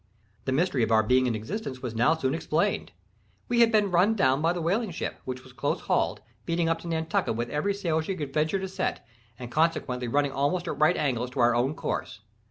The mystery of our being in existence was now soon explained. We had been run down by the whaling ship, which was close hauled, beating up to Nantucket with every sail she could venture to set, and consequently running almost at right angles to our own course.